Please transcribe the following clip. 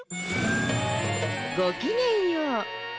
ごきげんよう。